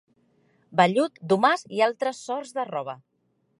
Vellut, domàs i altres sorts de roba.